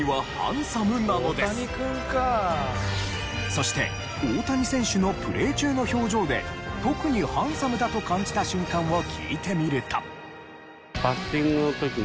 そして大谷選手のプレー中の表情で特にハンサムだと感じた瞬間を聞いてみると。